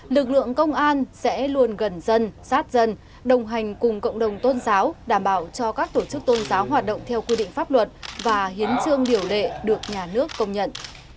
lực lượng công an sẽ luôn gần dân sát dân đồng hành cùng cộng đồng tôn giáo đảm bảo cho các tổ chức tôn giáo hoạt động theo quy định pháp luật và hiến trương điều lệ được nhà nước công nhận